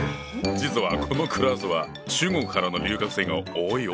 実はこのクラスは中国からの留学生が多いよ。